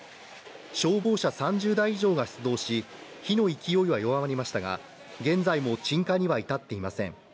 消防車３０台以上が出動し、火の勢いは弱まりましたが現在も鎮火には至っていません。